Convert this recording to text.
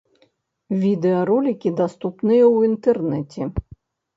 Відэаролікі даступныя ў інтэрнэце.